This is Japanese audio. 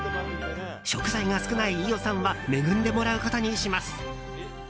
食材が少ない飯尾さんは恵んでもらうことにします。